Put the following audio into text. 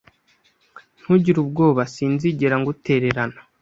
Ntugire ubwoba. Sinzigera ngutererana.